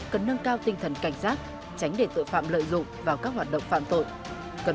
cần nâng cao tinh thần cảnh giác tránh để tội phạm lợi dụng vào các hoạt động phạm tội